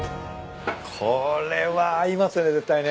これは合いますね絶対ね。